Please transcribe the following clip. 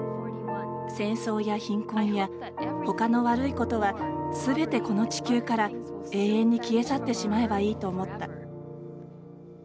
戦争や貧困やほかの悪いことはすべて、この地球から永遠に消え去ってしまえばいいと思った。